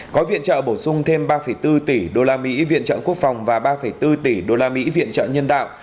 gói viện trợ bổ sung thêm ba bốn tỷ usd viện trợ quốc phòng và ba bốn tỷ usd viện trợ nhân đạo